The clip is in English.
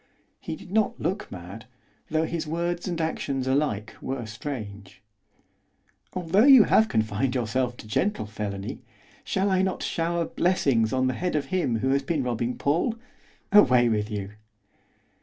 He did not look mad, though his words and actions alike were strange. 'Although you have confined yourself to gentle felony, shall I not shower blessings on the head of him who has been robbing Paul? Away with you!